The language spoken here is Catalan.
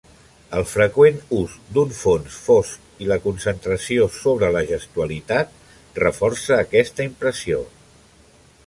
El freqüent ús d'un fons fosc i la concentració sobre la gestualitat, reforça aquesta impressió.